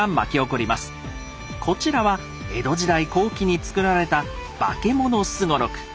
こちらは江戸時代後期に作られた「妖物双六」。